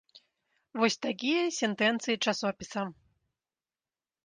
Вось такія сентэнцыі часопіса.